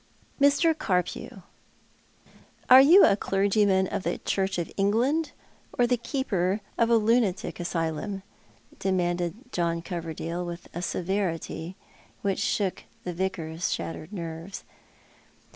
"Mr. Carpew, are you a clergyman of the Church of England or the keeper of a lunatic asylum ?" demanded John Coverdale, ■with a severity which shook the Vicar's shattered nerves.